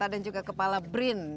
dan juga kepala brin